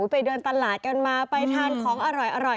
ไปเดินตลาดกันมาไปทานของอร่อย